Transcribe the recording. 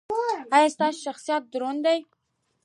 ایا ستاسو شخصیت دروند دی؟